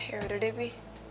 ya udah deh bi